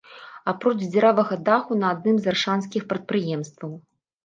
Апроч дзіравага даху на адным з аршанскіх прадпрыемстваў.